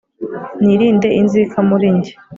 nirinde inzika muri nge